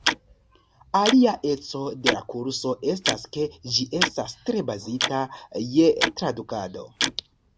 Alia eco de la kurso estas, ke ĝi estas tre bazita je tradukado.